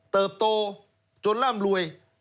เติบโตจนร่ำรวย